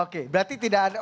oke berarti tidak ada